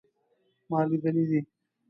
ما لیدلی دی